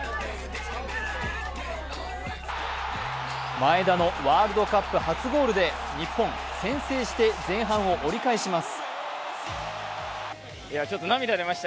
前田のワールドカップ初ゴールで日本、先制して前半を折り返します。